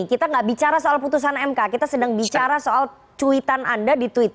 kita nggak bicara soal putusan mk kita sedang bicara soal cuitan anda di twitter